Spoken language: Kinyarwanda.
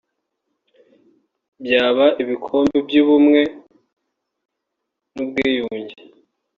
byaba ibikombe by’ubumwe n’ubwiyunge